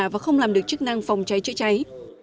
và không làm được chức năng phòng cháy chữa cháy